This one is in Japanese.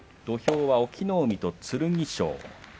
土俵は隠岐の海と剣翔。